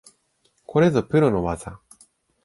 これぞプロの技